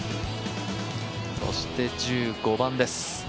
そして１５番です。